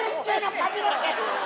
髪の毛。